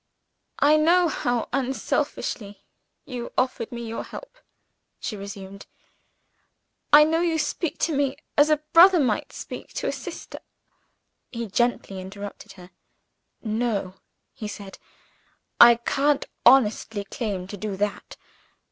"I know how unselfishly you offer me your help," she resumed; "I know you speak to me as a brother might speak to a sister " He gently interrupted her. "No," he said; "I can't honestly claim to do that.